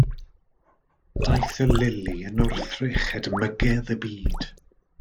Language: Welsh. Daeth y lili yn wrthrych edmygedd y byd.